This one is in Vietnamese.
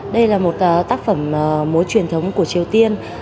đây là một tác phẩm múa truyền thống của triều tiên